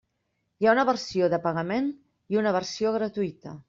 Hi ha una versió de pagament i una versió gratuïta.